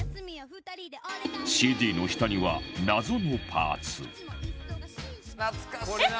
ＣＤ の下には謎のパーツえっ？